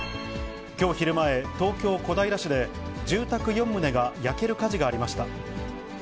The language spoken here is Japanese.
きょう昼前、東京・小平市で、住宅４棟が焼ける火事がありました。